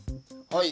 はい。